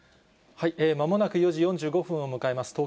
まもなく４時４５分を迎えます。